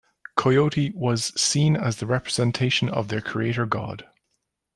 Coyote was seen as the representation of their creator god.